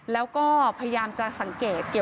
แล้วก็พยายามจะสังเกต